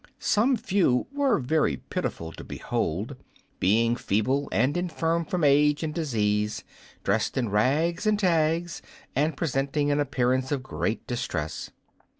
Some few were very pitiful to behold, being feeble and infirm from age and disease, dressed in rags and tags, and presenting an appearance of great distress.